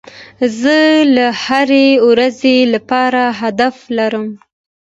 زه د هري ورځي لپاره هدف لرم.